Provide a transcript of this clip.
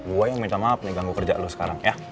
gue yang minta maaf nih ganggu kerja lo sekarang ya